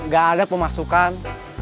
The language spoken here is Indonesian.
gak ada pemasukan